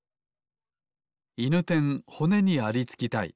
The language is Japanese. いぬてんほねにありつきたい。